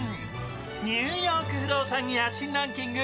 ニューヨーク不動産家賃ランキング